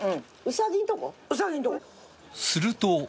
すると。